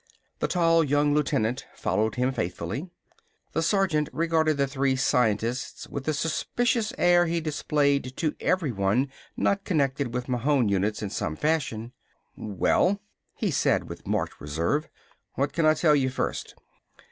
The tall young lieutenant followed him faithfully. The sergeant regarded the three scientists with the suspicious air he displayed to everyone not connected with Mahon units in some fashion. "Well?" he said with marked reserve. "What can I tell you first?"